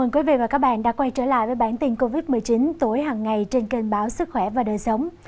quý vị và các bạn đã quay trở lại với bản tin covid một mươi chín tối hằng ngày trên kênh báo sức khỏe và đời sống